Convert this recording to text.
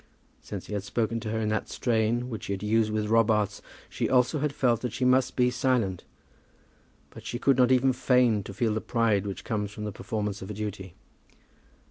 Since he had spoken to her in that strain which he had used with Robarts, she also had felt that she must be silent. But she could not even feign to feel the pride which comes from the performance of a duty.